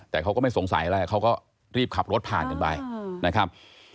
แต่เขาก็ไม่สงสัยอะไรเขาก็รีบขับรถผ่านกันไปนะครับ